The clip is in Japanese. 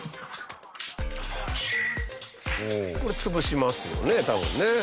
これ潰しますよね多分ね。